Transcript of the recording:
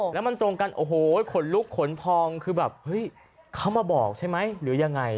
แล้วมันตรงกันโอ้โหขนลุกขนพองคือแบบเฮ้ยเขามาบอกใช่ไหมหรือยังไง